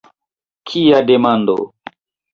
Kia demando!